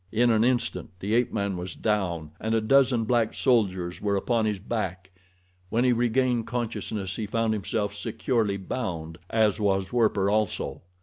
In an instant the ape man was down and a dozen black soldiers were upon his back. When he regained consciousness he found himself securely bound, as was Werper also.